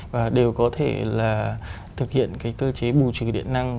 và đều có thể là thực hiện cái cơ chế bù trừ điện năng